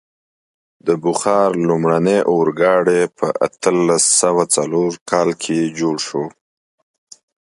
د بخار لومړنی اورګاډی په اتلس سوه څلور کال کې جوړ شو.